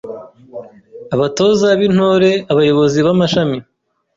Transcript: Abatoza b’Intore: Abayobozi b’amashami;